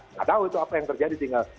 nggak tahu itu apa yang terjadi tinggal